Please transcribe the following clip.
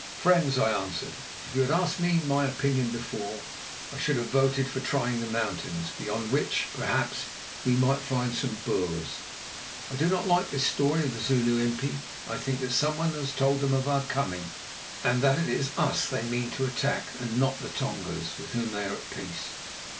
"Friends," I answered, "if you had asked me my opinion before, I should have voted for trying the mountains, beyond which, perhaps, we might find some Boers. I do not like this story of the Zulu impi. I think that someone has told them of our coming, and that it is us they mean to attack and not the Tongas, with whom they are at peace.